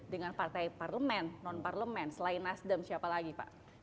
dengan partai parlemen non parlemen selain nasdem siapa lagi pak